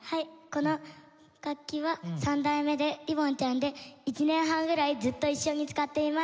この楽器は３代目でリボンちゃんで１年半ぐらいずっと一緒に使っています。